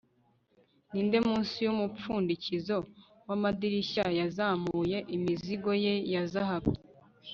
ninde munsi yumupfundikizo wamadirishya yazamuye imizigo ye ya zahabu